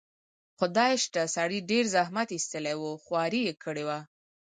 خدای شته، سړي ډېر زحمت ایستلی و، خواري یې کړې وه.